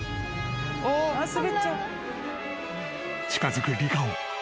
［近づくリカオン。